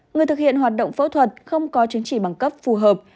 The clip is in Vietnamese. người thực hiện hoạt động phẫu thuật không có chứng chỉ bằng cấp phù hợp